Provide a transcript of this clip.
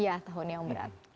iya tahun yang berat